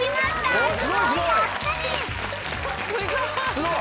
すごい。